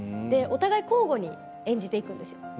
お互い交互に演じていくんですよ